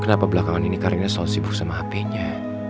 kenapa belakangan ini karina selalu sibuk sama hpnya